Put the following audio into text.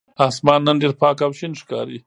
آسمان نن ډېر پاک او شین ښکاري.